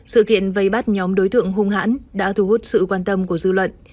sự kiện vây bắt nhóm đối tượng hung hãn đã thu hút sự quan tâm của dư luận